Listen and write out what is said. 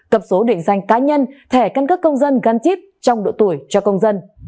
cập số định danh cá nhân thẻ căn cấp công dân gắn chít trong độ tuổi cho công dân